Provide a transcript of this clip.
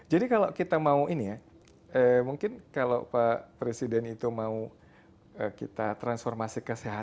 jadi kalau kita mau ini ya mungkin kalau pak presiden itu mau kita transformasi kesehatan